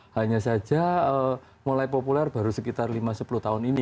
hanya saja mulai populer baru sekitar lima sepuluh tahun ini